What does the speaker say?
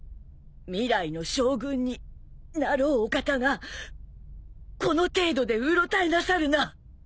未来の将軍になろうお方がこの程度でうろたえなさるな。